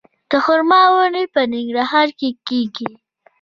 د خرما ونې په ننګرهار کې کیږي؟